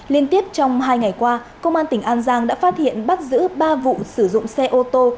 liên tiếp trong hai ngày qua công an tỉnh an giang đã phát hiện bắt giữ ba vụ sử dụng xe ô tô